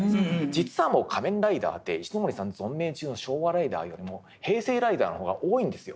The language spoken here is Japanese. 実はもう仮面ライダーって石森さん存命中の昭和ライダーよりも平成ライダーの方が多いんですよ。